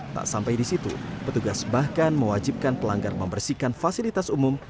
tak sampai di situ petugas bahkan mewajibkan pelanggar membersihkan fasilitas umum